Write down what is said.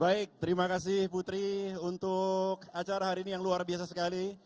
baik terima kasih putri untuk acara hari ini yang luar biasa sekali